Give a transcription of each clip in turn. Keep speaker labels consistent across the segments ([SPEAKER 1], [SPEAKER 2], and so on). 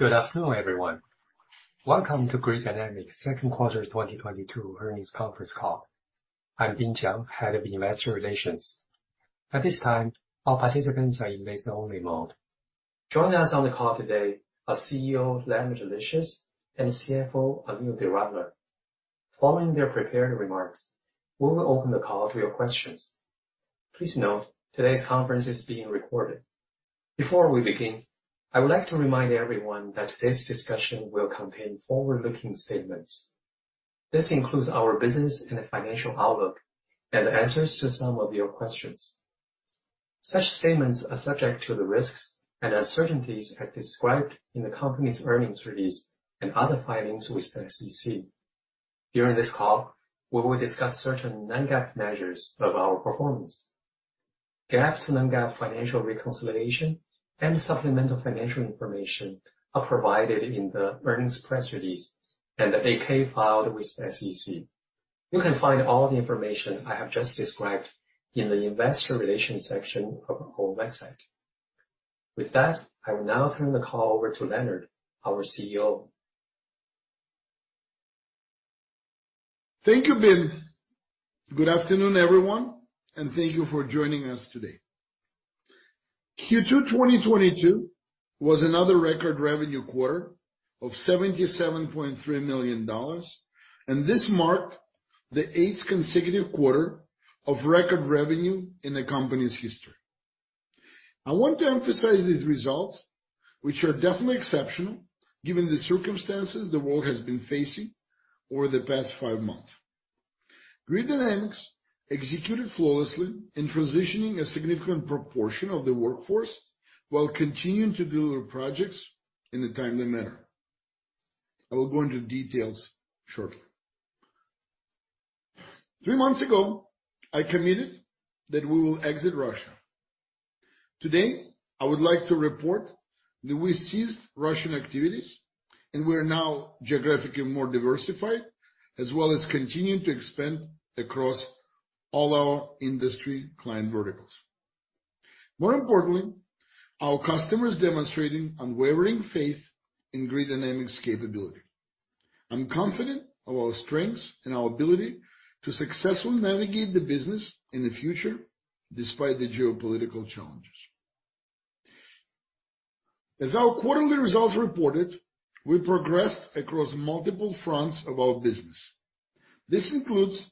[SPEAKER 1] Good afternoon, everyone. Welcome to Grid Dynamics's second quarter 2022 earnings conference call. I'm Bin Jiang, Head of Investor Relations. At this time, all participants are in listen-only mode. Joining us on the call today are CEO Leonard Livschitz and CFO Anil Doradla. Following their prepared remarks, we will open the call to your questions. Please note today's conference is being recorded. Before we begin, I would like to remind everyone that today's discussion will contain forward-looking statements. This includes our business and financial outlook and answers to some of your questions. Such statements are subject to the risks and uncertainties as described in the company's earnings release and other filings with SEC. During this call, we will discuss certain non-GAAP measures of our performance. GAAP to non-GAAP financial reconciliation and supplemental financial information are provided in the earnings press release and the 8-K filed with SEC. You can find all the information I have just described in the investor relations section of our website. With that, I will now turn the call over to Leonard, our CEO.
[SPEAKER 2] Thank you, Bin. Good afternoon, everyone, and thank you for joining us today. Q2 2022 was another record revenue quarter of $77.3 million, and this marked the eighth consecutive quarter of record revenue in the company's history. I want to emphasize these results, which are definitely exceptional given the circumstances the world has been facing over the past five months. Grid Dynamics executed flawlessly in transitioning a significant proportion of the workforce while continuing to deliver projects in a timely manner. I will go into details shortly. Three months ago, I committed that we will exit Russia. Today, I would like to report that we ceased Russian activities, and we are now geographically more diversified as well as continuing to expand across all our industry client verticals. More importantly, our customers demonstrating unwavering faith in Grid Dynamics capability. I'm confident of our strengths and our ability to successfully navigate the business in the future despite the geopolitical challenges. As our quarterly results reported, we progressed across multiple fronts of our business. This includes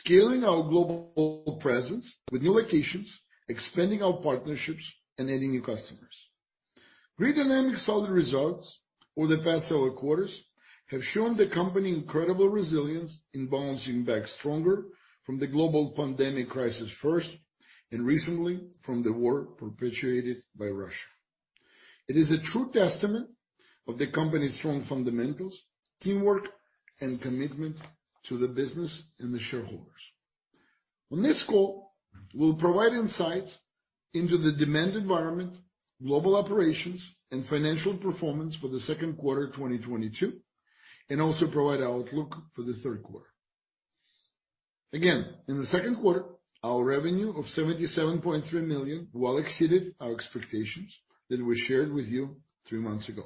[SPEAKER 2] scaling our global presence with new locations, expanding our partnerships, and adding new customers. Grid Dynamics' solid results over the past several quarters have shown the company incredible resilience in bouncing back stronger from the global pandemic crisis first, and recently from the war perpetuated by Russia. It is a true testament of the company's strong fundamentals, teamwork, and commitment to the business, and the shareholders. On this call, we'll provide insights into the demand environment, global operations, and financial performance for the second quarter 2022, and also provide our outlook for the third quarter. Again, in the second quarter, our revenue of $77.3 million well exceeded our expectations that we shared with you three months ago.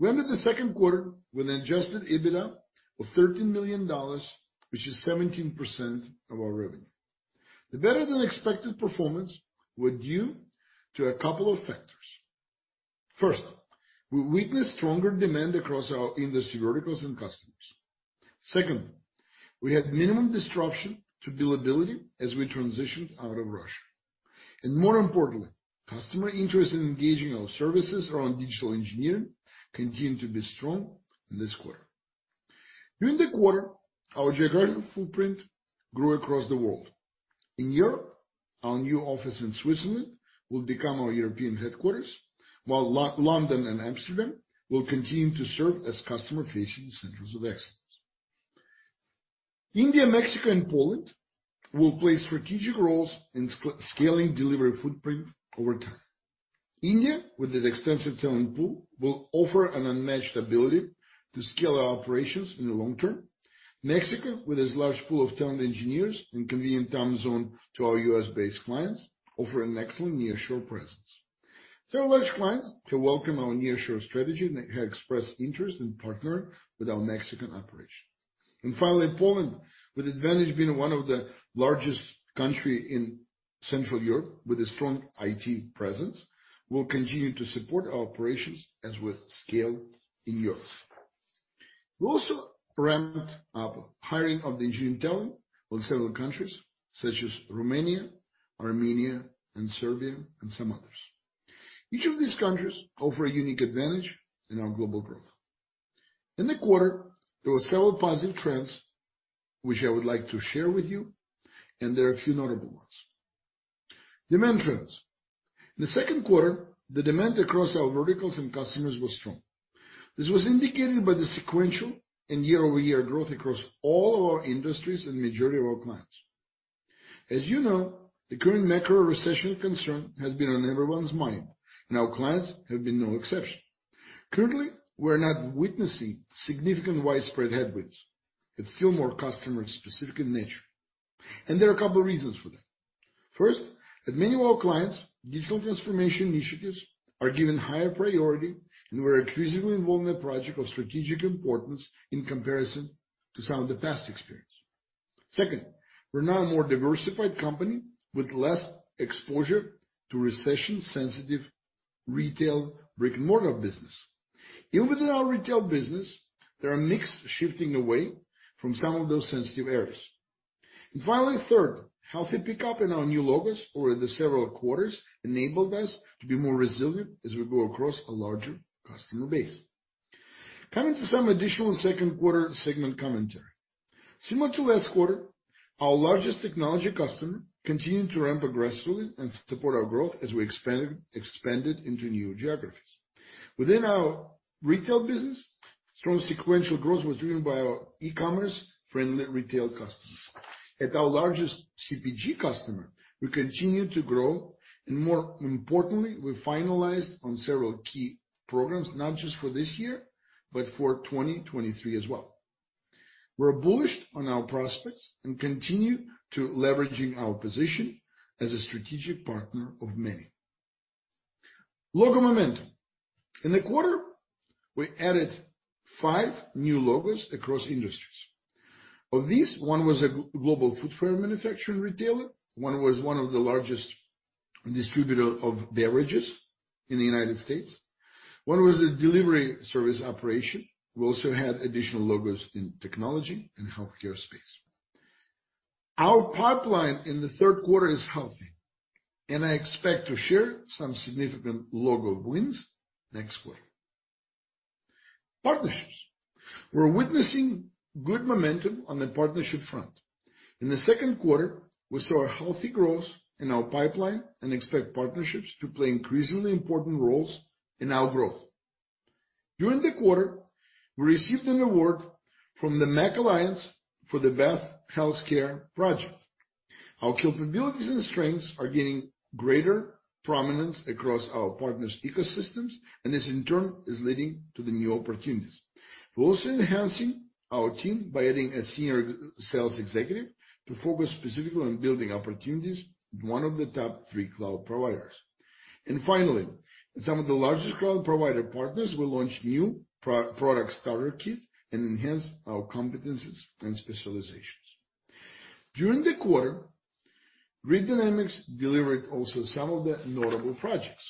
[SPEAKER 2] We ended the second quarter with adjusted EBITDA of $13 million, which is 17% of our revenue. The better-than-expected performance were due to a couple of factors. First, we witnessed stronger demand across our industry verticals and customers. Second, we had minimum disruption to billability as we transitioned out of Russia. More importantly, customer interest in engaging our services around digital engineering continued to be strong in this quarter. During the quarter, our geographical footprint grew across the world. In Europe, our new office in Switzerland will become our European headquarters, while London and Amsterdam will continue to serve as customer-facing centers of excellence. India, Mexico, and Poland will play strategic roles in scaling delivery footprint over time. India, with its extensive talent pool, will offer an unmatched ability to scale our operations in the long term. Mexico, with its large pool of talent engineers and convenient time zone to our U.S.-based clients, offer an excellent nearshore presence. Several large clients who welcome our nearshore strategy have expressed interest in partnering with our Mexican operation. Finally, Poland, with advantage being one of the largest country in Central Europe with a strong IT presence, will continue to support our operations as with scale in Europe. We also ramped up hiring of the engineering talent of several countries such as Romania, Armenia, and Serbia, and some others. Each of these countries offer a unique advantage in our global growth. In the quarter, there were several positive trends which I would like to share with you, and there are a few notable ones. Demand trends. In the second quarter, the demand across our verticals and customers was strong. This was indicated by the sequential and year-over-year growth across all of our industries and majority of our clients. As you know, the current macro recession concern has been on everyone's mind, and our clients have been no exception. Currently, we're not witnessing significant widespread headwinds. It's still more customer-specific in nature. There are a couple reasons for that. First, at many of our clients, digital transformation initiatives are given higher priority, and we're increasingly involved in a project of strategic importance in comparison to some of the past experience. Second, we're now a more diversified company with less exposure to recession-sensitive retail brick-and-mortar business. Even within our retail business, there are mix shifting away from some of those sensitive areas. Finally, third, healthy pickup in our new logos over the several quarters enabled us to be more resilient as we go across a larger customer base. Coming to some additional second quarter segment commentary. Similar to last quarter, our largest technology customer continued to ramp aggressively and support our growth as we expanded into new geographies. Within our Retail business, strong sequential growth was driven by our e-commerce-friendly Retail customers. At our largest CPG customer, we continue to grow, and more importantly, we finalized on several key programs, not just for this year, but for 2023 as well. We're bullish on our prospects and continue to leveraging our position as a strategic partner of many. Logo momentum. In the quarter, we added five new logos across industries. Of these, one was a global footwear manufacturing retailer, one was one of the largest distributor of beverages in the United States. One was a delivery service operation. We also had additional logos in technology and healthcare space. Our pipeline in the third quarter is healthy, and I expect to share some significant logo wins next quarter. Partnerships. We're witnessing good momentum on the partnership front. In the second quarter, we saw a healthy growth in our pipeline and expect partnerships to play increasingly important roles in our growth. During the quarter, we received an award from the MACH Alliance for the Health/Pharma Project. Our capabilities and strengths are gaining greater prominence across our partners' ecosystems, and this in turn is leading to the new opportunities. We're also enhancing our team by adding a senior G-sales executive to focus specifically on building opportunities, one of the top three cloud providers. Finally, some of the largest cloud provider partners will launch new pro-products starter kit and enhance our competencies and specializations. During the quarter, Grid Dynamics delivered also some of the notable projects.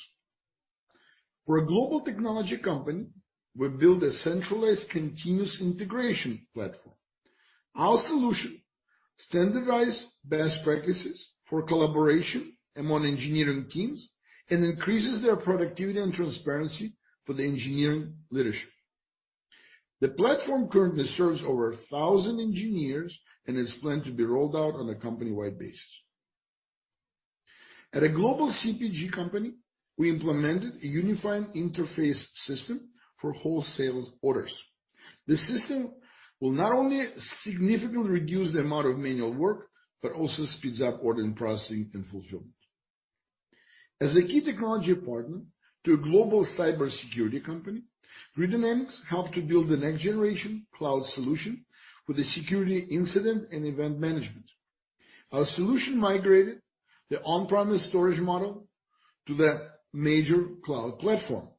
[SPEAKER 2] For a global technology company, we built a centralized continuous integration platform. Our solution standardized best practices for collaboration among engineering teams and increases their productivity and transparency for the engineering leadership. The platform currently serves over 1,000 engineers and is planned to be rolled out on a company-wide basis. At a global CPG company, we implemented a unified interface system for wholesale orders. This system will not only significantly reduce the amount of manual work, but also speeds up order and processing and fulfillment. As a key technology partner to a global cybersecurity company, Grid Dynamics helped to build the next-generation cloud solution for the security information and event management. Our solution migrated the on-premises storage model to the major cloud platform.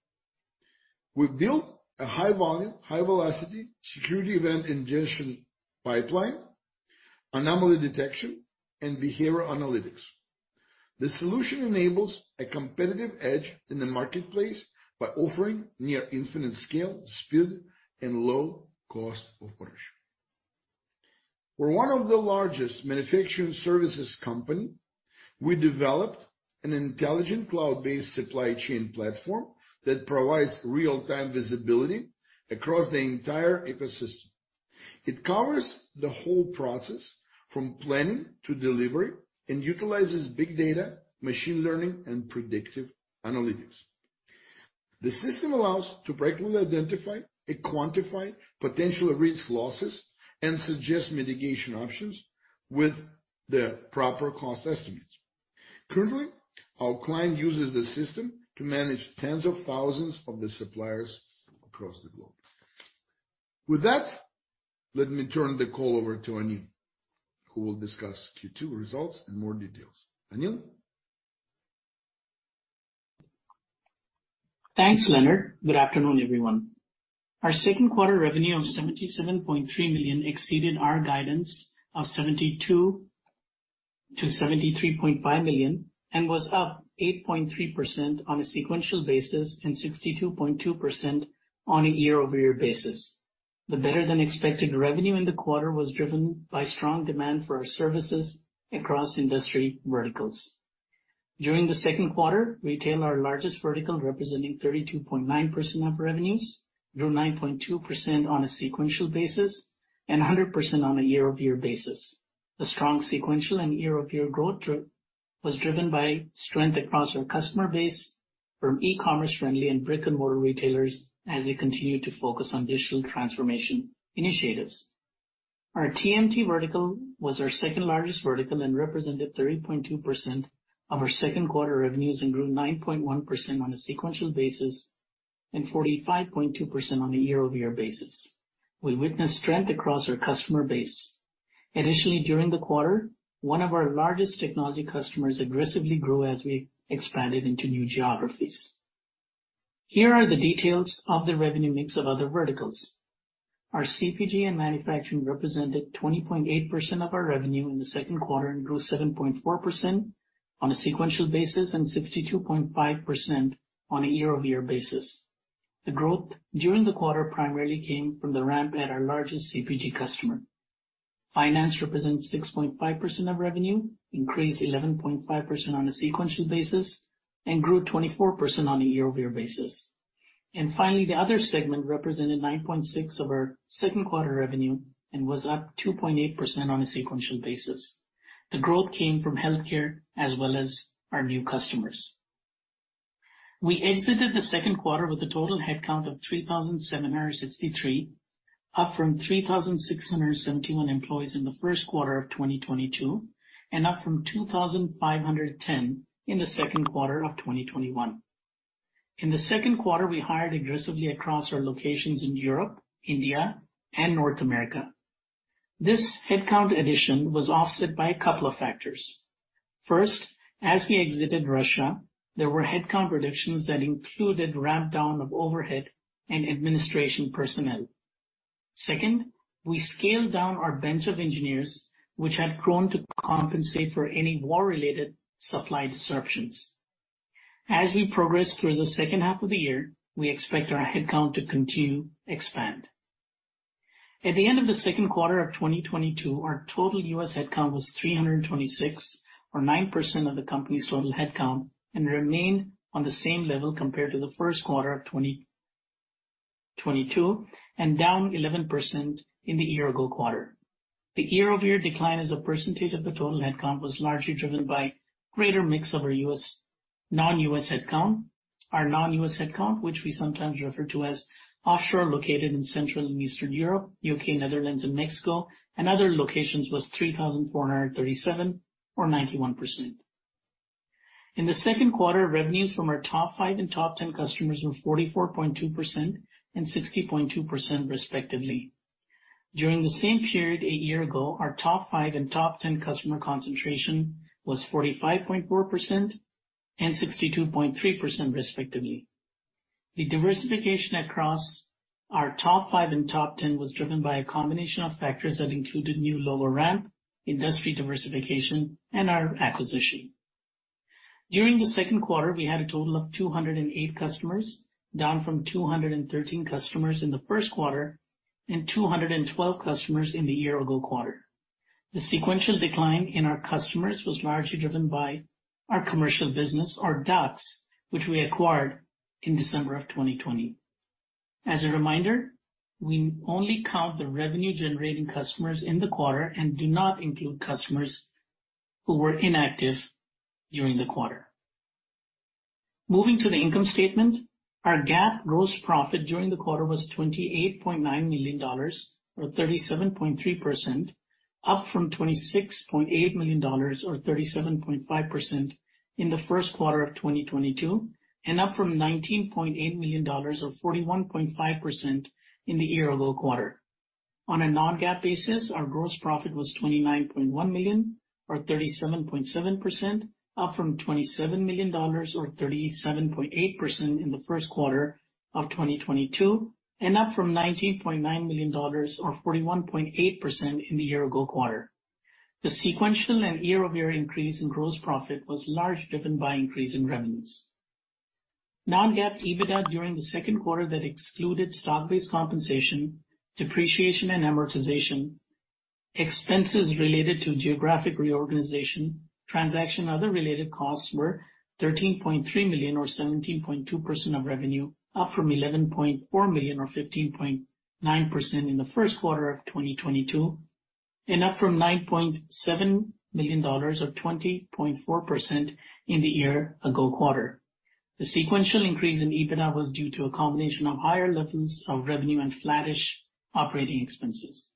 [SPEAKER 2] We built a high volume, high velocity security event ingestion pipeline, anomaly detection, and behavior analytics. The solution enables a competitive edge in the marketplace by offering near infinite scale, speed, and low cost of ownership. For one of the largest manufacturing services company, we developed an intelligent cloud-based supply chain platform that provides real-time visibility across the entire ecosystem. It covers the whole process from planning to delivery and utilizes big data, machine learning, and predictive analytics. The system allows to regularly identify and quantify potential risk losses and suggests mitigation options with the proper cost estimates. Currently, our client uses the system to manage tens of thousands of the suppliers across the globe. With that, let me turn the call over to Anil, who will discuss Q2 results in more details. Anil?
[SPEAKER 3] Thanks, Leonard. Good afternoon, everyone. Our second quarter revenue of $77.3 million exceeded our guidance of $72-$73.5 million and was up 8.3% on a sequential basis and 62.2% on a year-over-year basis. The better than expected revenue in the quarter was driven by strong demand for our services across industry verticals. During the second quarter, retail, our largest vertical, representing 32.9% of revenues, grew 9.2% on a sequential basis and 100% on a year-over-year basis. The strong sequential and year-over-year growth was driven by strength across our customer base from e-commerce friendly and brick-and-mortar retailers as we continue to focus on digital transformation initiatives. Our TMT vertical was our second-largest vertical and represented 30.2% of our second quarter revenues and grew 9.1% on a sequential basis, and 45.2% on a year-over-year basis. We witnessed strength across our customer base. Additionally, during the quarter, one of our largest technology customers aggressively grew as we expanded into new geographies. Here are the details of the revenue mix of other verticals. Our CPG and manufacturing represented 20.8% of our revenue in the second quarter and grew 7.4% on a sequential basis, and 62.5% on a year-over-year basis. The growth during the quarter primarily came from the ramp at our largest CPG customer. Finance represents 6.5% of revenue, increased 11.5% on a sequential basis, and grew 24% on a year-over-year basis. Finally, the other segment represented 9.6% of our second quarter revenue and was up 2.8% on a sequential basis. The growth came from healthcare as well as our new customers. We exited the second quarter with a total headcount of 3,763, up from 3,671 employees in the first quarter of 2022, and up from 2,510 in the second quarter of 2021. In the second quarter, we hired aggressively across our locations in Europe, India, and North America. This headcount addition was offset by a couple of factors. First, as we exited Russia, there were headcount reductions that included ramp down of overhead and administration personnel. Second, we scaled down our bench of engineers, which had grown to compensate for any war-related supply disruptions. As we progress through the H2 of the year, we expect our headcount to continue to expand. At the end of the second quarter of 2022, our total U.S. headcount was 326, or 9% of the company's total headcount, and remained on the same level compared to the first quarter of 2022 and down 11% in the year-ago quarter. The year-over-year decline as a percentage of the total headcount was largely driven by greater mix of our U.S. non-U.S. headcount. Our non-U.S. headcount, which we sometimes refer to as offshore, located in Central and Eastern Europe, U.K., Netherlands and Mexico, and other locations, was 3,437, or 91%. In the second quarter, revenues from our top five and top ten customers were 44.2% and 60.2% respectively. During the same period a year ago, our top five and top ten customer concentration was 45.4% and 62.3% respectively. The diversification across our top five and top ten was driven by a combination of factors that included new logo ramp, industry diversification, and our acquisition. During the second quarter, we had a total of 208 customers, down from 213 customers in the first quarter and 212 customers in the year-ago quarter. The sequential decline in our customers was largely driven by our commercial business, or JUXT, which we acquired in December 2020. As a reminder, we only count the revenue-generating customers in the quarter and do not include customers who were inactive during the quarter. Moving to the income statement. Our GAAP gross profit during the quarter was $28.9 million, or 37.3%, up from $26.8 million, or 37.5%, in the first quarter of 2022, and up from $19.8 million, or 41.5%, in the year-ago quarter. On a non-GAAP basis, our gross profit was $29.1 million, or 37.7%, up from $27 million, or 37.8%, in the first quarter of 2022, and up from $19.9 million, or 41.8%, in the year-ago quarter. The sequential and year-over-year increase in gross profit was largely driven by increase in revenues. Non-GAAP EBITDA during the second quarter that excluded stock-based compensation, depreciation and amortization, expenses related to geographic reorganization, transaction, other related costs were $13.3 million or 17.2% of revenue, up from $11.4 million or 15.9% in the first quarter of 2022, and up from $9.7 million or 20.4% in the year-ago quarter. The sequential increase in EBITDA was due to a combination of higher levels of revenue and flattish operating expenses.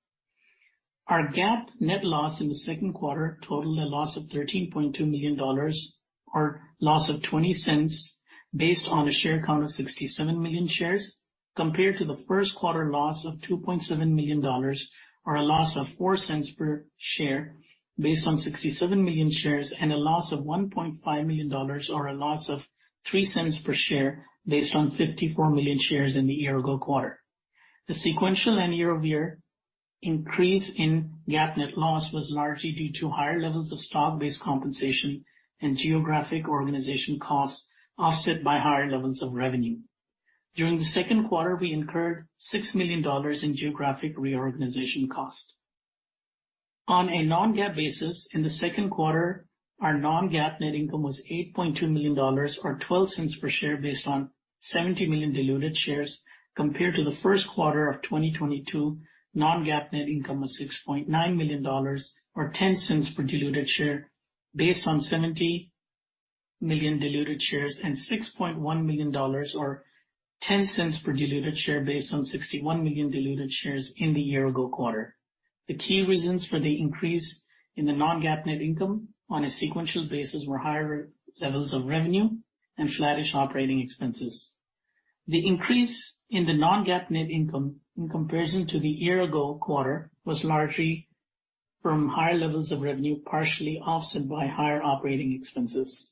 [SPEAKER 3] Our GAAP net loss in the second quarter totaled a loss of $13.2 million or loss of $0.20 based on a share count of 67 million shares, compared to the first quarter loss of $2.7 million or a loss of $0.04 per share based on 67 million shares and a loss of $1.5 million or a loss of $0.03 per share based on 54 million shares in the year-ago quarter. The sequential and year-over-year increase in GAAP net loss was largely due to higher levels of stock-based compensation and geographic reorganization costs offset by higher levels of revenue. During the second quarter, we incurred $6 million in geographic reorganization costs. On a non-GAAP basis, in the second quarter, our non-GAAP net income was $8.2 million or $0.12 per share based on 70 million diluted shares, compared to the first quarter of 2022 non-GAAP net income of $6.9 million or $0.10 per diluted share based on 70 million diluted shares and $6.1 million or $0.10 per diluted share based on 61 million diluted shares in the year-ago quarter. The key reasons for the increase in the non-GAAP net income on a sequential basis were higher levels of revenue and flattish operating expenses. The increase in the non-GAAP net income in comparison to the year ago quarter was largely from higher levels of revenue, partially offset by higher operating expenses.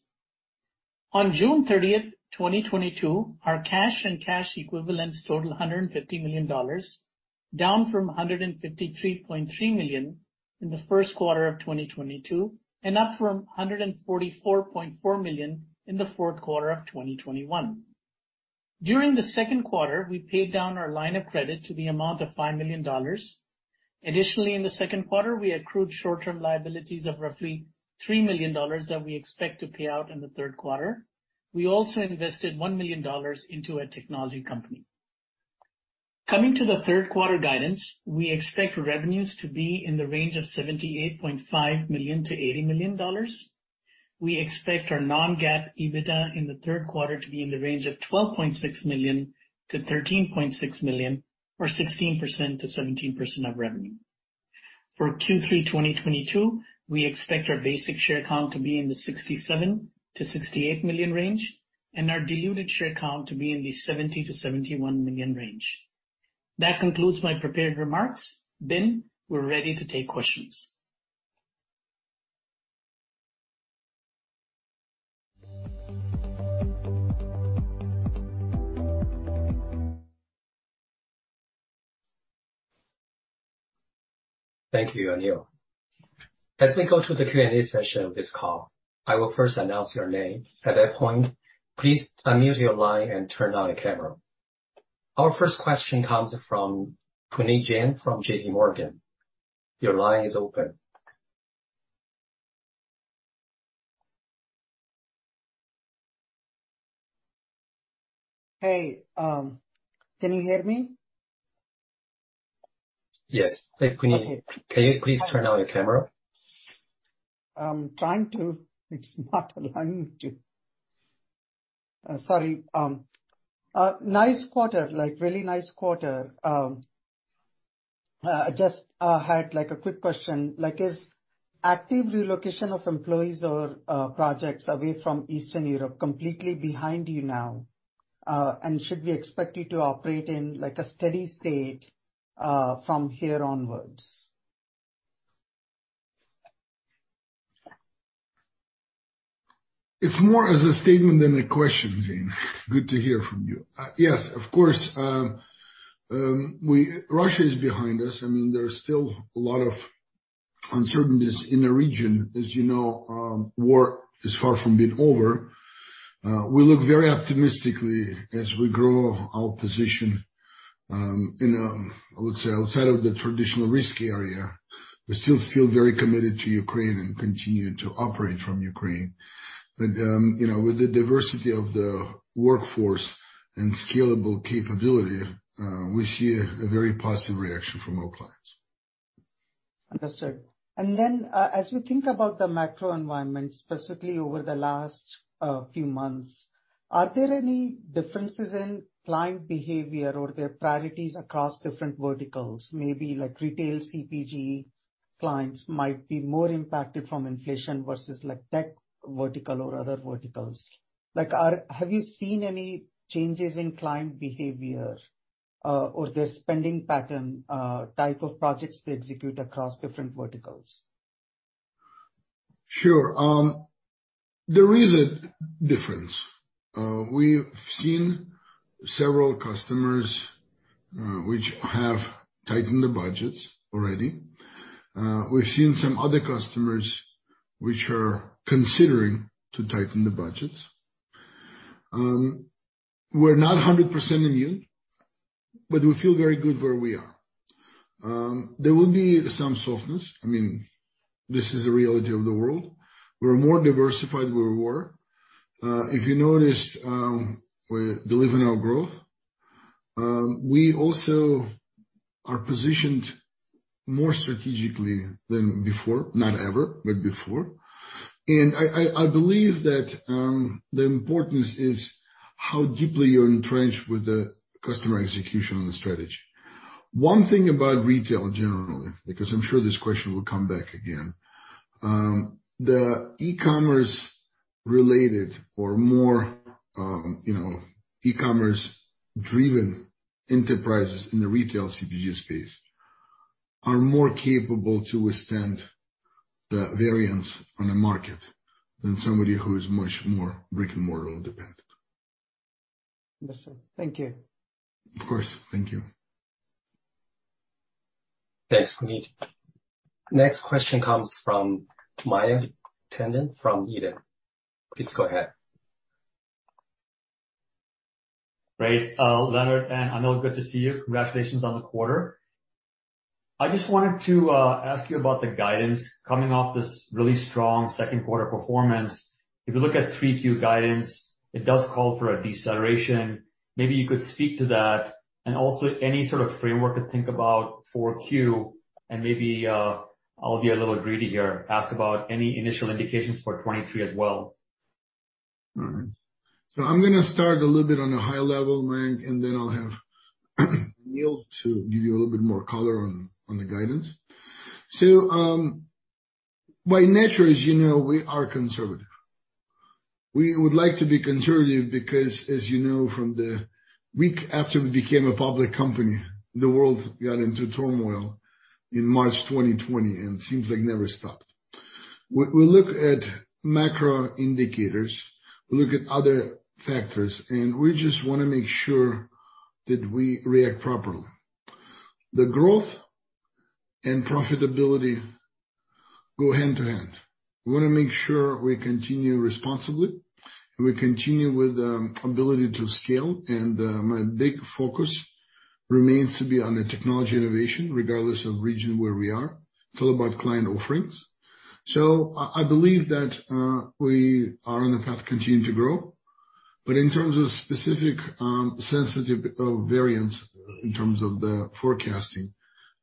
[SPEAKER 3] On June 30, 2022, our cash and cash equivalents totaled $150 million, down from $153.3 million in the first quarter of 2022, and up from $144.4 million in the fourth quarter of 2021. During the second quarter, we paid down our line of credit to the amount of $5 million. Additionally, in the second quarter, we accrued short-term liabilities of roughly $3 million that we expect to pay out in the third quarter. We also invested $1 million into a technology company. Coming to the third quarter guidance, we expect revenues to be in the range of $78.5 million-$80 million. We expect our non-GAAP EBITDA in the third quarter to be in the range of $12.6 million-$13.6 million or 16%-17% of revenue. For 2022, we expect our basic share count to be in the 67-68 million range, and our diluted share count to be in the 70-71 million range. That concludes my prepared remarks. Bin Jiang, we're ready to take questions.
[SPEAKER 1] Thank you, Anil. As we go to the Q&A session of this call, I will first announce your name. At that point, please unmute your line and turn on your camera. Our first question comes from Puneet Jain from JPMorgan. Your line is open.
[SPEAKER 4] Hey, can you hear me?
[SPEAKER 1] Yes. Hey, Puneet.
[SPEAKER 4] Okay.
[SPEAKER 1] Can you please turn on your camera?
[SPEAKER 4] I'm trying to. It's not allowing me to. Sorry. Nice quarter. Like, really nice quarter. I just had, like, a quick question. Like, is active relocation of employees or projects away from Eastern Europe completely behind you now? Should we expect you to operate in, like, a steady state from here onwards?
[SPEAKER 2] It's more as a statement than a question, Jain. Good to hear from you. Yes, of course. Russia is behind us. I mean, there are still a lot of uncertainties in the region. As you know, war is far from being over. We look very optimistically as we grow our position in a, I would say, outside of the traditional risk area. We still feel very committed to Ukraine and continue to operate from Ukraine. But you know, with the diversity of the workforce and scalable capability, we see a very positive reaction from our clients.
[SPEAKER 4] Understood. Then, as we think about the macro environment, specifically over the last few months, are there any differences in client behavior or their priorities across different verticals? Maybe like retail CPG clients might be more impacted from inflation versus like tech vertical or other verticals. Have you seen any changes in client behavior, or their spending pattern, type of projects they execute across different verticals?
[SPEAKER 2] Sure. There is a difference. We've seen several customers which have tightened their budgets already. We've seen some other customers which are considering to tighten their budgets. We're not 100% immune, but we feel very good where we are. There will be some softness. I mean, this is the reality of the world. We're more diversified than we were. If you noticed, we're delivering our growth. We also are positioned more strategically than before. Not ever, but before. I believe that the importance is how deeply you're entrenched with the customer execution on the strategy. One thing about retail generally, because I'm sure this question will come back again, the e-commerce related or more, you know, e-commerce driven enterprises in the retail CPG space are more capable to withstand the variance on the market than somebody who is much more brick-and-mortar dependent.
[SPEAKER 4] Understood. Thank you.
[SPEAKER 3] Of course. Thank you.
[SPEAKER 1] Thanks, Puneet. Next question comes from Mayank Tandon from Needham. Please go ahead.
[SPEAKER 5] Great. Leonard Livschitz and Anil Doradla, good to see you. Congratulations on the quarter. I just wanted to ask you about the guidance coming off this really strong second quarter performance. If you look at 3Q guidance, it does call for a deceleration. Maybe you could speak to that. Also any sort of framework to think about 4Q, and maybe, I'll be a little greedy here, ask about any initial indications for 2023 as well.
[SPEAKER 2] All right. I'm gonna start a little bit on a high level, Mayank, and then I'll have Anil to give you a little bit more color on the guidance. By nature, as you know, we are conservative. We would like to be conservative because, as you know, from the week after we became a public company, the world got into turmoil in March 2020, and seems like never stopped. We look at macro indicators, look at other factors, and we just wanna make sure that we react properly. The growth and profitability go hand-in-hand. We wanna make sure we continue responsibly, and we continue with ability to scale, and my big focus remains to be on the technology innovation, regardless of region where we are. It's all about client offerings. I believe that we are on the path to continue to grow. In terms of specific, sensitive, variants in terms of the forecasting,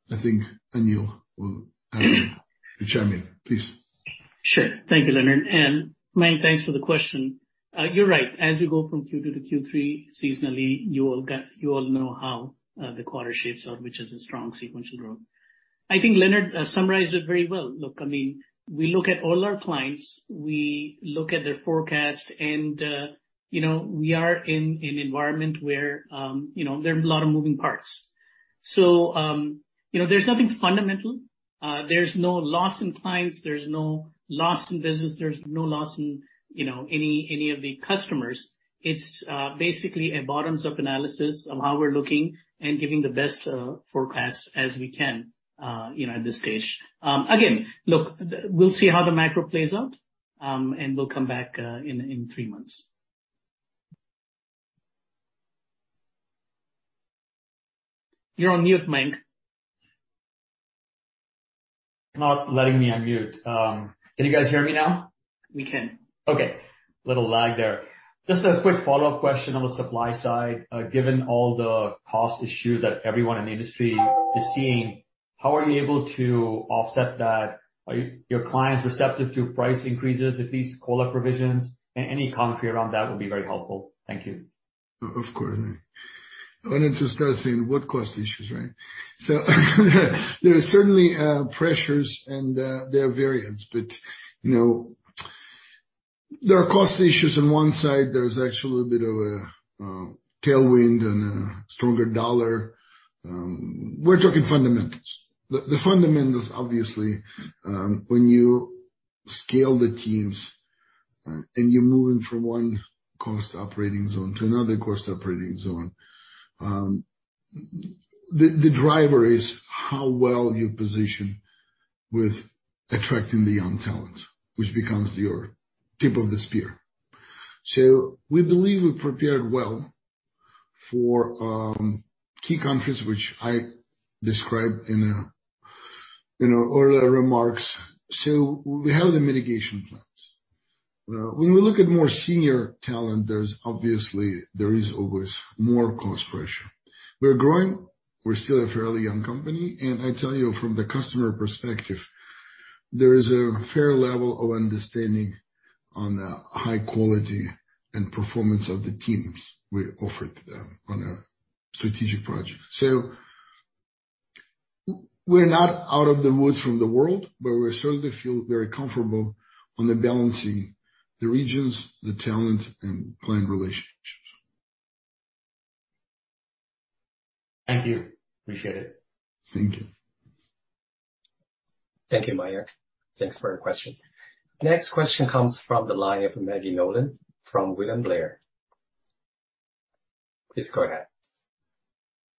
[SPEAKER 2] I think Anil will have to chime in. Please.
[SPEAKER 3] Sure. Thank you, Leonard. Mayank, thanks for the question. You're right. As we go from Q2 to Q3 seasonally, you all know how the quarter shapes up, which is a strong sequential growth. I think Leonard summarized it very well. Look, I mean, we look at all our clients, we look at their forecast, and you know, we are in an environment where you know, there are a lot of moving parts. You know, there's nothing fundamental. There's no loss in clients, there's no loss in business, there's no loss in you know, any of the customers. It's basically a bottoms-up analysis of how we're looking and giving the best forecast as we can you know, at this stage. Again, look, we'll see how the macro plays out, and we'll come back in three months. You're on mute, Mayank.
[SPEAKER 5] It's not letting me unmute. Can you guys hear me now?
[SPEAKER 3] We can.
[SPEAKER 5] Okay. Little lag there. Just a quick follow-up question on the supply side. Given all the cost issues that everyone in the industry is seeing, how are you able to offset that? Are your clients receptive to price increases, at least call-up provisions? Any commentary around that would be very helpful. Thank you.
[SPEAKER 2] Of course. I wanted to start saying what cost issues, right? There are certainly pressures and there are variants, but you know there are cost issues on one side, there's actually a little bit of a tailwind and a stronger U.S. dollar. We're talking fundamentals. The fundamentals, obviously, when you scale the teams and you're moving from one cost operating zone to another cost operating zone, the driver is how well you position with attracting the young talent, which becomes your tip of the spear. We believe we've prepared well for key countries which I described in our earlier remarks. We have the mitigation plans. When we look at more senior talent, there's obviously always more cost pressure. We're growing, we're still a fairly young company, and I tell you from the customer perspective, there is a fair level of understanding on the high quality and performance of the teams we offered them on a strategic project. We're not out of the woods from the world, but we certainly feel very comfortable on the balancing the regions, the talent, and client relationships.
[SPEAKER 5] Thank you. Appreciate it.
[SPEAKER 2] Thank you.
[SPEAKER 1] Thank you, Mayank. Thanks for your question. Next question comes from the line of Maggie Nolan from William Blair. Please go ahead.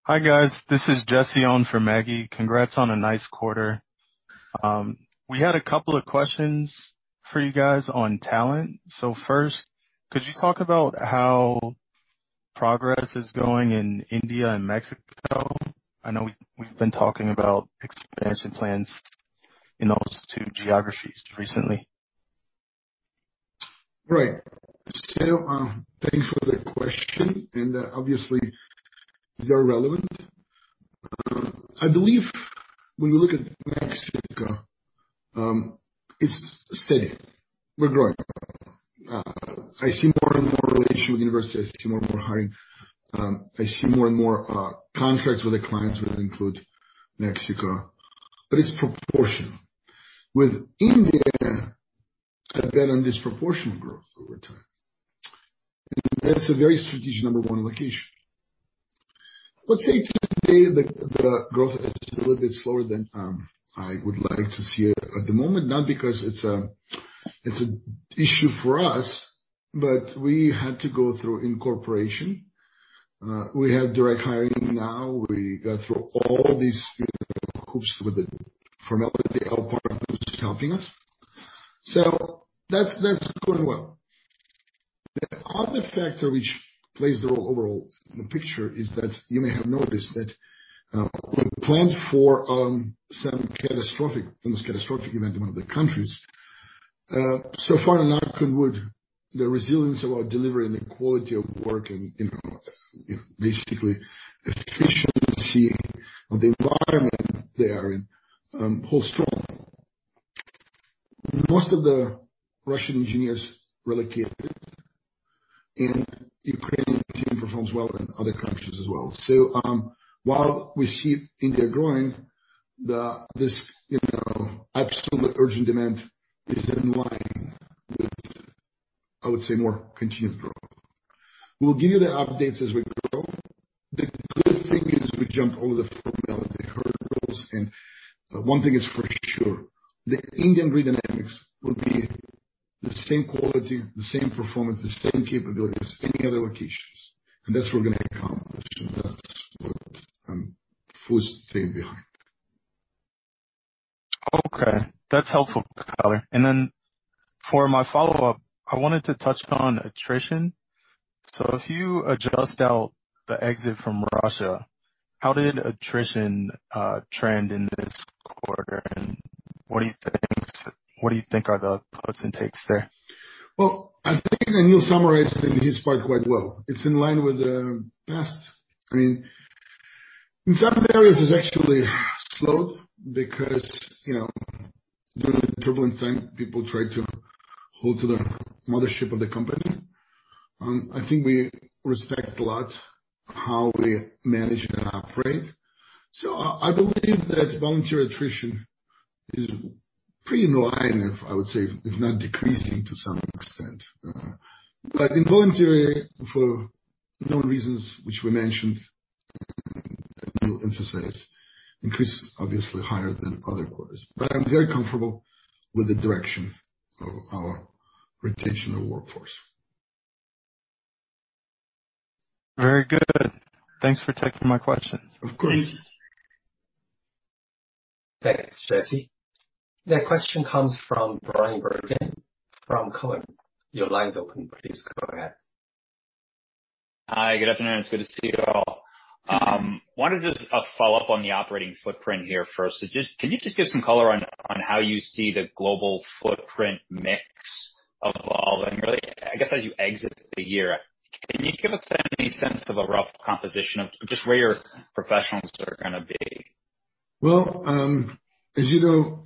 [SPEAKER 6] Hi, guys. This is Jesse on for Maggie. Congrats on a nice quarter. We had a couple of questions for you guys on talent. First, could you talk about how progress is going in India and Mexico? I know we've been talking about expansion plans in those two geographies recently.
[SPEAKER 2] Right. Thanks for the question, and obviously they are relevant. I believe when you look at Mexico, it's steady. We're growing. I see more and more relation with universities. I see more and more hiring. I see more and more contracts with the clients that include Mexico, but it's proportional. With India, I bet on disproportionate growth over time. That's a very strategic number one location. Let's say today the growth is a little bit slower than I would like to see it at the moment, not because it's an issue for us, but we had to go through incorporation. We have direct hiring now. We got through all these hoops with the formality, our partner was helping us. That's going well. The other factor which plays the role overall in the picture is that you may have noticed that, we planned for, some catastrophic, almost catastrophic event in one of the countries. So far, and knock on wood, the resilience about delivering the quality of work and, you know, if basically efficiency of the environment they are in, hold strong. Most of the Russian engineers relocated, and Ukrainian team performs well in other countries as well. While we see India growing, this, you know, absolute urgent demand is in line with, I would say more continued growth. We'll give you the updates as we grow. The good thing is we jumped over the formality hurdles, and one thing is for sure, the Grid Dynamics India will be the same quality, the same performance, the same capabilities as any other locations. That's what we're gonna accomplish, and that's what I'm fully standing behind.
[SPEAKER 6] Okay. That's helpful, Leonard. Then for my follow-up, I wanted to touch on attrition. If you adjust out the exit from Russia, how did attrition trend in this quarter, and what do you think are the puts and takes there?
[SPEAKER 2] Well, I think Anil summarized it in his part quite well. It's in line with the past. I mean, in some areas it's actually slowed because, you know, during a turbulent time, people try to hold to the mothership of the company. I think we respect a lot how we manage and operate. I believe that voluntary attrition is pretty in line, if I would say, if not decreasing to some extent. Involuntary for known reasons, which were mentioned, and we'll emphasize, increased obviously higher than other quarters. I'm very comfortable with the direction of our rotational workforce.
[SPEAKER 6] Very good. Thanks for taking my questions.
[SPEAKER 2] Of course.
[SPEAKER 1] Thanks, Jesse. The question comes from Bryan Bergin from Cowen. Your line's open. Please go ahead.
[SPEAKER 7] Hi, good afternoon. It's good to see you all. Wanted just a follow-up on the operating footprint here first. Can you just give some color on how you see the global footprint mix evolving really? I guess, as you exit the year, can you give us any sense of a rough composition of just where your professionals are gonna be?
[SPEAKER 2] As you know,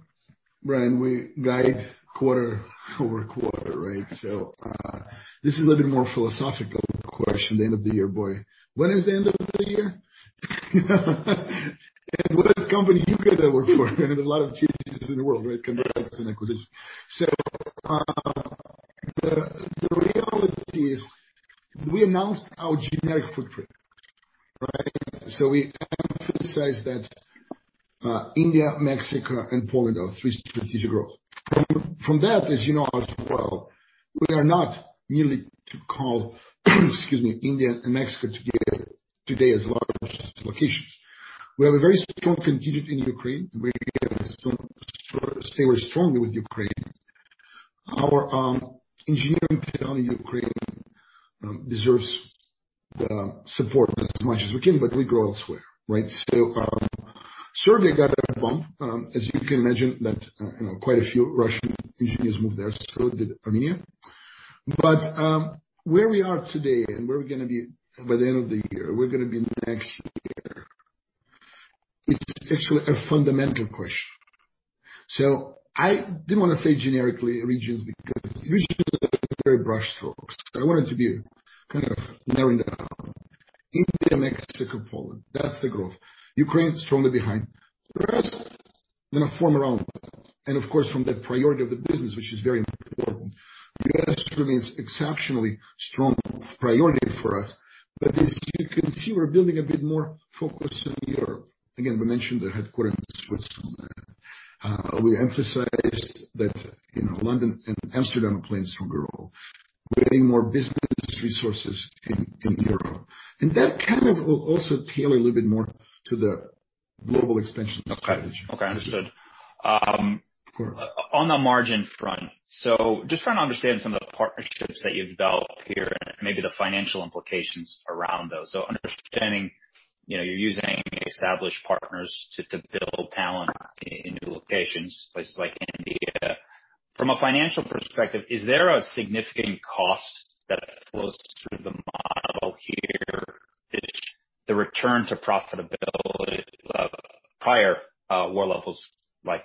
[SPEAKER 2] Bryan, we guide quarter over quarter, right? This is a little bit more philosophical question, the end of the year, boy. When is the end of the year? What other company you guys are working for? A lot of changes in the world, right, conversations and acquisitions. The reality is we announced our geographic footprint, right? We emphasized that India, Mexico, and Poland are three strategic growth. From that, as you know as well, we are not merely local, excuse me, India and Mexico together today as large locations. We have a very strong contingent in Ukraine. We're gonna stay strongly with Ukraine. Our engineering talent in Ukraine deserves the support as much as we can, but we grow elsewhere, right? Certainly it got a bump, as you can imagine that you know quite a few Russian engineers moved there, so did Armenia. Where we are today and where we're gonna be by the end of the year, we're gonna be next year, it's actually a fundamental question. I didn't wanna say generically regions, because regions are very brush strokes. I wanted to be kind of narrowing down. India, Mexico, Poland, that's the growth. Ukraine, strongly behind. The rest, we're gonna form around that. Of course, from the priority of the business, which is very important, U.S. remains exceptionally strong priority for us. As you can see, we're building a bit more focus in Europe. Again, we mentioned the headquarters in Switzerland. We emphasized that you know London and Amsterdam play a stronger role. We're getting more business resources in Europe. That kind of will also tailor a little bit more to the global expansion of coverage.
[SPEAKER 7] Okay. Understood.
[SPEAKER 2] Of course.
[SPEAKER 7] On the margin front, just trying to understand some of the partnerships that you've developed here and maybe the financial implications around those. Understanding, you know, you're using established partners to build talent in new locations, places like India. From a financial perspective, is there a significant cost that flows through the model here? Is the return to profitability prior year levels, like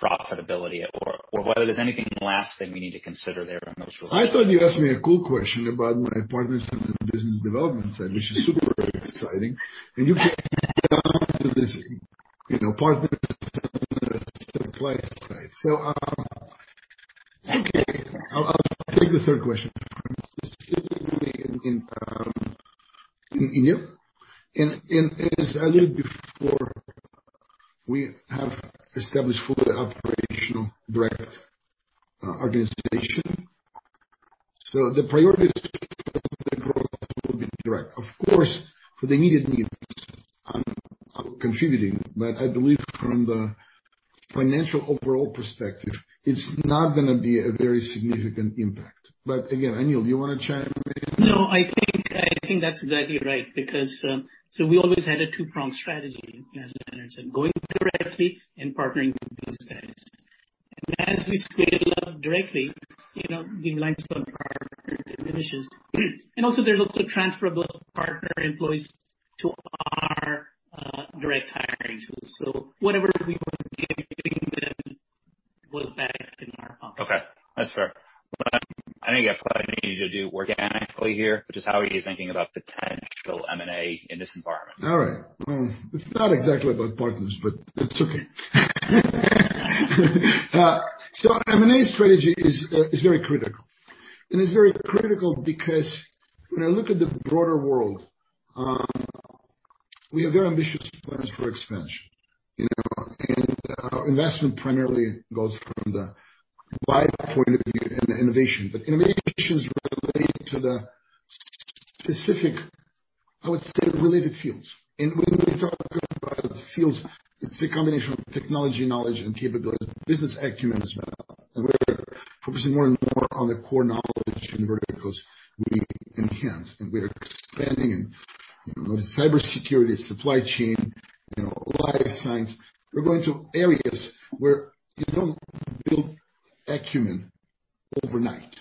[SPEAKER 7] profitability or whether there's anything lasting we need to consider there in those relationships?
[SPEAKER 2] I thought you asked me a cool question about my partners on the business development side, which is super exciting. You can get down to this, you know, partners site. I'll take the third question. Specifically in India. As I learned before, we have established fully operational direct organization. The priority is the growth will be direct. Of course, for the needed needs I'm contributing, but I believe from the financial overall perspective, it's not gonna be a very significant impact. Again, Anil, do you wanna chime in?
[SPEAKER 3] No, I think that's exactly right because we always had a two-pronged strategy, as Leonard said, going directly and partnering with business banks. As we scale up directly, you know, the reliance on partners diminishes. There's also transfer of those partner employees to our direct hiring tools. Whatever we were doing then was backed in our
[SPEAKER 7] Okay. That's fair. I know you have plans you need to do organically here, which is how are you thinking about potential M&A in this environment?
[SPEAKER 2] All right. It's not exactly about partners, but it's okay. M&A strategy is very critical. It's very critical because when I look at the broader world, we have very ambitious plans for expansion, you know. Our investment primarily goes from the buy point of view and innovation. Innovations relate to the specific, I would say, related fields. When we talk about fields, it's a combination of technology, knowledge and capability, business acumen as well. We're focusing more and more on the core knowledge in verticals we enhance, and we are expanding in, you know, cybersecurity, supply chain, you know, life science. We're going to areas where you don't build acumen overnight.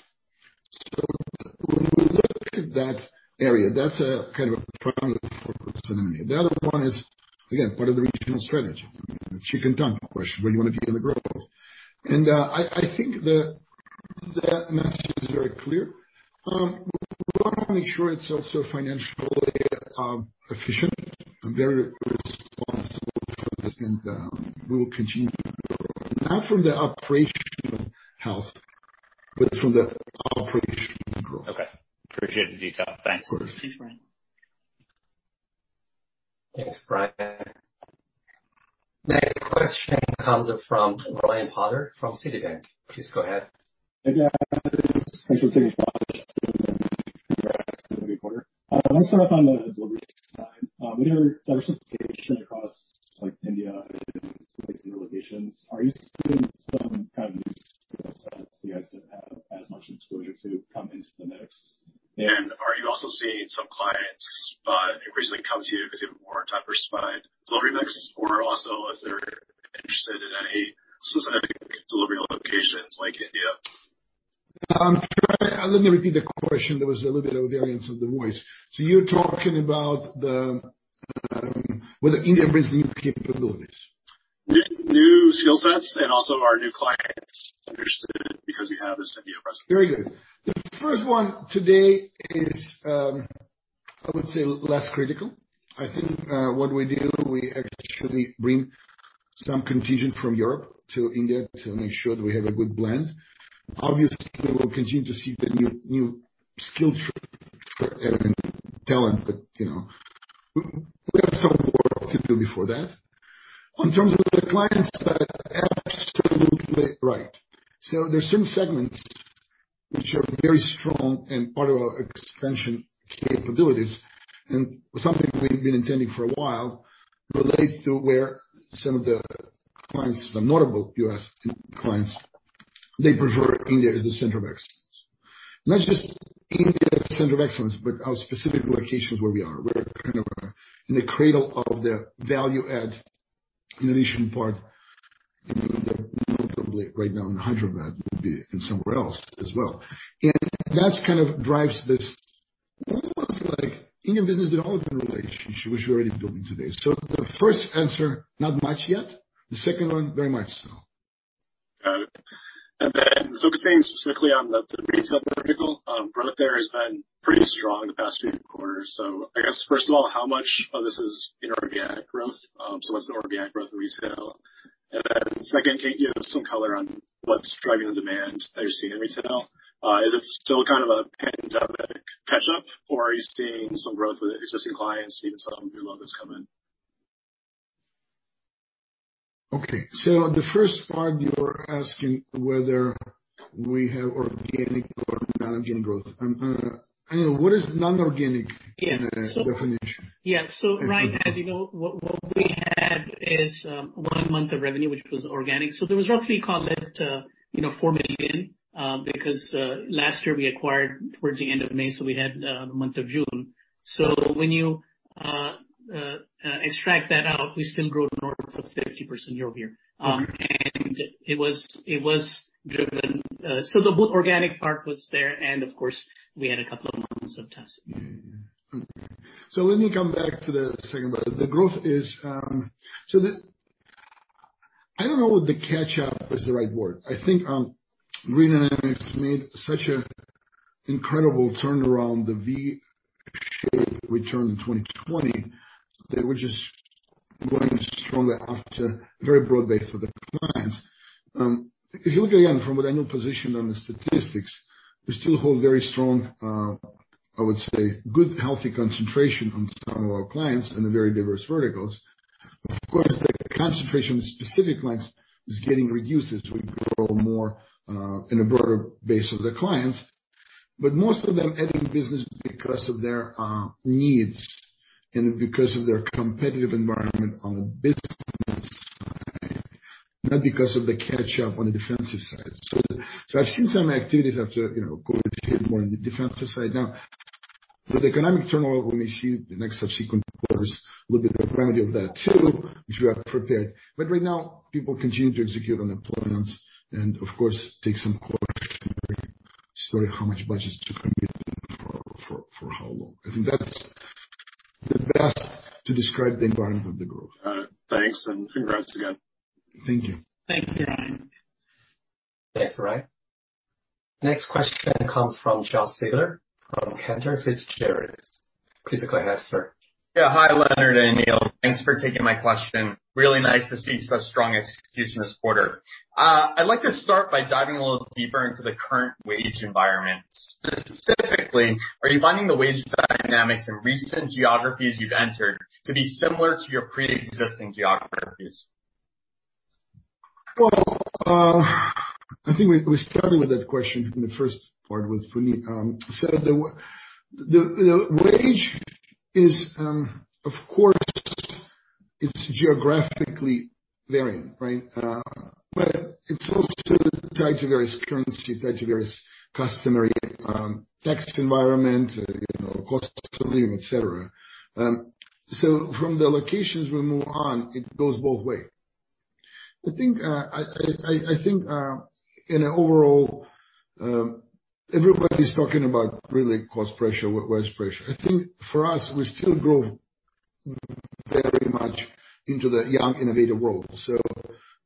[SPEAKER 2] When we look at that area, that's a kind of a primary focus in M&A. The other one is, again, part of the regional strategy. Key question, where do you wanna be in the growth? I think the message is very clear. We wanna make sure it's also financially efficient and very responsible and we will continue to grow, not from the operational health, but from the operational growth.
[SPEAKER 7] Okay. Appreciate the detail. Thanks.
[SPEAKER 2] Of course.
[SPEAKER 3] Thanks, Bryan.
[SPEAKER 1] Thanks, Bryan. Next question comes from Ryan Potter from Citi. Please go ahead.
[SPEAKER 8] Thank you. This is Ryan Potter from Citi. It's a new quarter. Let me start off on the delivery team. With your diversification across like India and other locations, are you seeing some kind of new skill sets you guys didn't have as much exposure to come into the mix? Are you also seeing some clients increasingly come to you because you have a more diversified delivery mix, or also if they're interested in any specific delivery locations like India?
[SPEAKER 2] Let me repeat the question. There was a little bit of variance in the voice. You're talking about the whether India brings new capabilities.
[SPEAKER 8] New skill sets and also, are new clients interested because you have this India presence?
[SPEAKER 2] Very good. The first one today is, I would say less critical. I think, what we do, we actually bring some consultants from Europe to India to make sure that we have a good blend. Obviously, we'll continue to see the new skill set and talent, but, you know, we have some work to do before that. In terms of the clients that are absolutely right. There are certain segments which are very strong and part of our expansion capabilities, and something we've been intending for a while relates to where some of the clients, the notable U.S. clients, they prefer India as a center of excellence. Not just India as a center of excellence, but our specific locations where we are. We're kind of in the cradle of the value add innovation part, you know, probably right now in Hyderabad would be and somewhere else as well. That's kind of drives this almost like India business development relationship, which we're already building today. The first answer, not much yet. The second one, very much so.
[SPEAKER 8] Got it. Focusing specifically on the Retail vertical, growth there has been pretty strong the past few quarters. I guess first of all, how much of this is inorganic growth? What's the organic growth in Retail? Second, can you give some color on what's driving the demand that you're seeing in Retail? Is it still kind of a pandemic catch-up, or are you seeing some growth with existing clients seeing some new logos come in?
[SPEAKER 2] Okay. The first part you're asking whether we have organic or non-organic growth. I know what is non-organic.
[SPEAKER 3] Yeah.
[SPEAKER 2] in a definition?
[SPEAKER 3] Yeah. Ryan, as you know, what we had is one month of revenue, which was organic. There was roughly, call it $4 million, because last year we acquired towards the end of May, so we had the month of June. When you extract that out, we still grew north of 50% year-over-year. And it was driven. The organic part was there, and of course, we had a couple of months of testing.
[SPEAKER 2] Let me come back to the second part. The growth is. I don't know if the catch-up is the right word. I think, Retail has made such an incredible turnaround, the V-shape return in 2020, they were just going strongly after very broad base of the clients. If you look again from an annual position on the statistics, we still hold very strong, I would say good, healthy concentration on some of our clients in the very diverse verticals. Of course, the concentration specific clients is getting reduced as we grow more, in a broader base of the clients. Most of them adding business because of their, needs and because of their competitive environment on the business side, not because of the catch-up on the defensive side. I've seen some activities after, you know, COVID hit more on the defensive side. Now with economic turmoil, when we see the next subsequent quarters, a little bit more of that too, which we are prepared. Right now people continue to execute on their plans and of course take some caution. Sorry, how much budgets to commit for how long. I think that's the best to describe the environment for growth.
[SPEAKER 8] All right. Thanks, and congrats again.
[SPEAKER 2] Thank you.
[SPEAKER 3] Thank you, Ryan.
[SPEAKER 1] Thanks, Ryan. Next question comes from Josh Siegler from Cantor Fitzgerald. Please go ahead, sir.
[SPEAKER 9] Yeah. Hi, Leonard and Anil. Thanks for taking my question. Really nice to see such strong execution this quarter. I'd like to start by diving a little deeper into the current wage environment. Specifically, are you finding the wage dynamics in recent geographies you've entered to be similar to your pre-existing geographies?
[SPEAKER 2] Well, I think we started with that question in the first part with Puneet. The wage is, of course, geographically varying, right? But it's also tied to various currencies, customary tax environments, you know, cost of living, et cetera. From the locations we operate in, it goes both ways. I think overall, everybody's talking about real cost pressure, wage pressure. I think for us, we still grow very much into the young innovative world.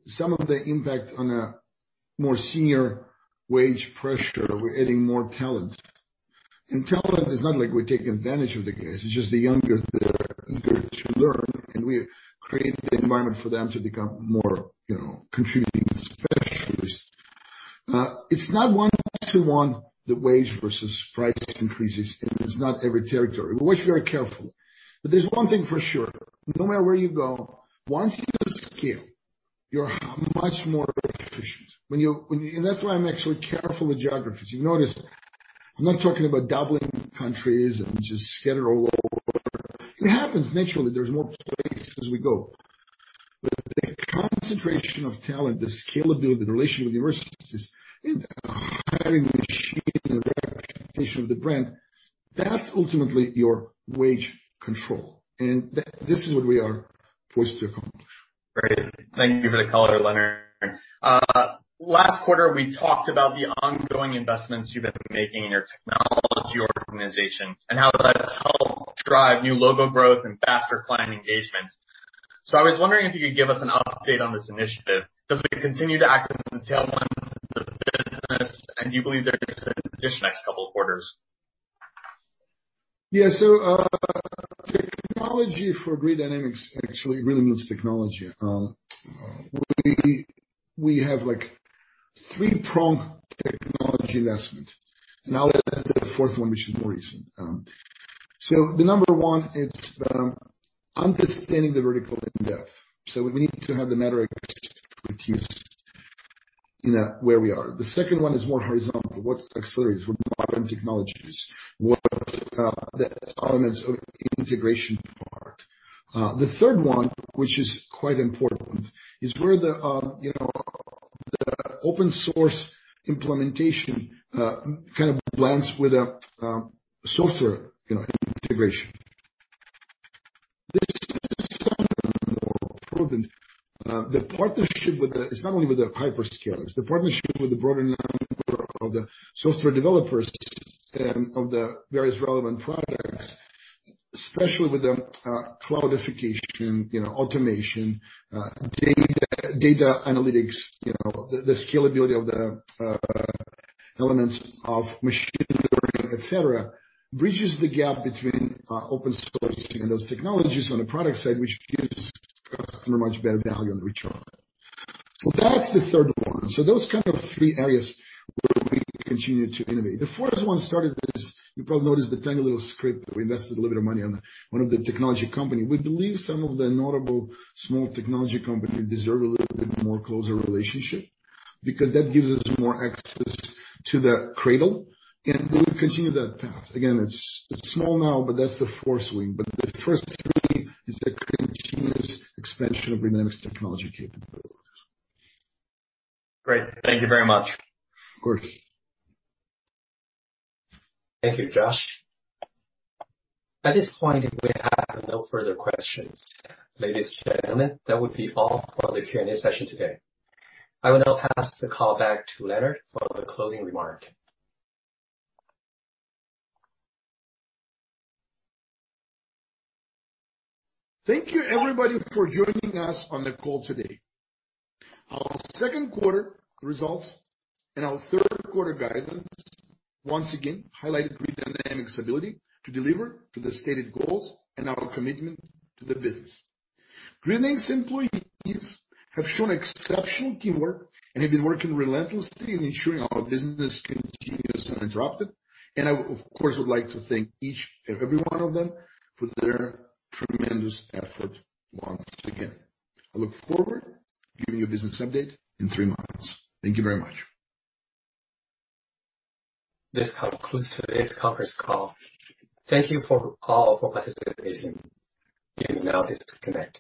[SPEAKER 2] Some of the impact on a more senior wage pressure, we're adding more talent. Talent is not like we're taking advantage of the guys, it's just the younger, they're eager to learn, and we create the environment for them to become more, you know, competent specialists. It's not one to one the wage versus price increases, and it's not every territory. We watch very carefully. There's one thing for sure, no matter where you go, once you scale, you're much more efficient. That's why I'm actually careful with geographies. You notice I'm not talking about doubling countries and just scatter all over. It happens naturally, there's more places we go. The concentration of talent, the scalability, the relation with universities, and the hiring machine and the recognition of the brand, that's ultimately your wage control. This is what we are poised to accomplish.
[SPEAKER 9] Great. Thank you for the color, Leonard. Last quarter, we talked about the ongoing investments you've been making in your technology organization and how that's helped drive new logo growth and faster client engagement. I was wondering if you could give us an update on this initiative. Does it continue to act as a tailwind to the business, and do you believe there is an additional next couple of quarters?
[SPEAKER 2] Yeah. Technology for Grid Dynamics actually really means technology. We have, like, three-pronged technology investment. I'll add the fourth one, which is more recent. Number one, it's understanding the vertical in depth. We need to have the subject-matter expertise in where we are. The second one is more horizontal. What accelerates with modern technologies? What the elements of integration part. The third one, which is quite important, is where the you know, the open source implementation kind of blends with a software you know, integration. This is more proven. The partnership with the. It's not only with the hyperscalers, the partnership with the broader number of the software developers and of the various relevant products, especially with the cloudification, you know, automation, data analytics, you know, the scalability of the elements of machine learning, et cetera, bridges the gap between open source and those technologies on the product side, which gives customer much better value on return. That's the third one. Those kind of three areas where we continue to innovate. The fourth one started as, you probably noticed the tiny little script, we invested a little bit of money on one of the technology company. We believe some of the notable small technology company deserve a little bit more closer relationship because that gives us more access to the cradle, and we'll continue that path. Again, it's small now, but that's the fourth wing. The first three is a continuous expansion of Dynamics technology capabilities.
[SPEAKER 9] Great. Thank you very much.
[SPEAKER 2] Of course.
[SPEAKER 1] Thank you, Josh. At this point, we have no further questions. Ladies and gentlemen, that would be all for the Q&A session today. I will now pass the call back to Leonard for the closing remark.
[SPEAKER 2] Thank you everybody for joining us on the call today. Our second quarter results and our third quarter guidance once again highlighted Grid Dynamics' ability to deliver to the stated goals and our commitment to the business. Grid Dynamics employees have shown exceptional teamwork and have been working relentlessly in ensuring our business continues uninterrupted, and I, of course, would like to thank each and every one of them for their tremendous effort once again. I look forward giving you a business update in three months. Thank you very much.
[SPEAKER 1] This concludes today's conference call. Thank you all for participating. You may now disconnect.